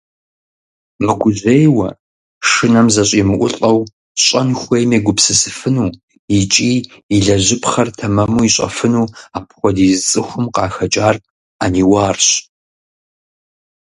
Мыгужьейуэ, шынэм зэщӀимыӀулӀэу, щӀэн хуейм егупсысыфыну икӀи илэжьыпхъэр тэмэму ищӀэфыну апхуэдиз цӀыхум къахэкӀар Ӏэниуарщ.